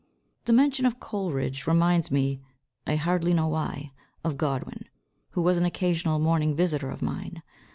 ] "The mention of Coleridge reminds me, I hardly know why, of Godwin, who was an occasional morning visitor of mine.